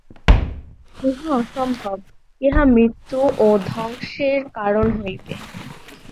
ইহা অসম্ভব, ইহা মৃত্যু ও ধ্বংসের কারণ হইবে।